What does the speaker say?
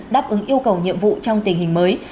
đáp ứng yêu cầu nhiệm vụ trong tình hình mới